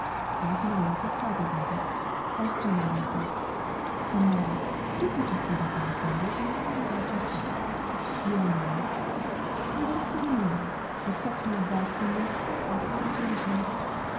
I can wait as Harvey waited, as Jenner waited. And now do put your feet up on the fender, and tell me about yourself. You are married, of course? And what a pretty name! Accept my best and most heart felt congratulations.